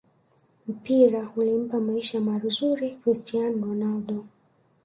mpira ulimpa maisha mazuri cristian ronaldo